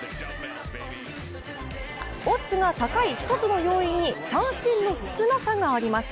オッズが高い１つの要因に三振の少なさがあります。